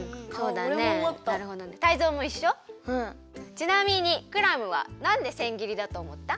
ちなみにクラムはなんでせん切りだとおもった？